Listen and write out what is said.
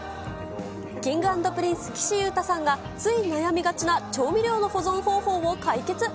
Ｋｉｎｇ＆Ｐｒｉｎｃｅ・岸優太さんが、つい悩みがちな調味料の保存方法を解決。